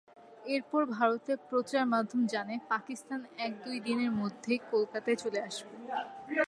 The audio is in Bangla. এরপর ভারতের প্রচারমাধ্যম জানায়, পাকিস্তান এক-দুই দিনের মধ্যেই কলকাতায় চলে আসবে।